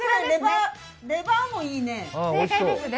レバーもいいね。